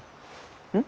うん？